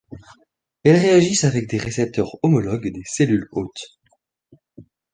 Elles réagissent avec des récepteurs homologues des cellules hôtes.